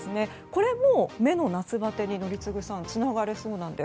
これも目の夏バテに宜嗣さん、つながるそうです。